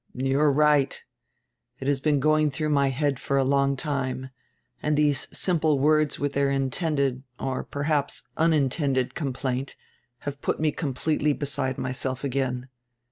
"You are right It has been going through my head for a long time, and these simple words with their intended, or perhaps unintended complaint, have put me completely beside myself again.